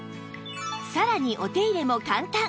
さらにお手入れも簡単！